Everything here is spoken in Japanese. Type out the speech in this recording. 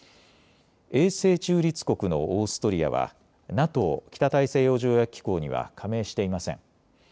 永世中立国のオーストリアはＮＡＴＯ・北大西洋条約機構には加盟していません。